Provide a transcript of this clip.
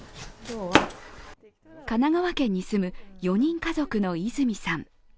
神奈川県に住む４人家族の和泉さん。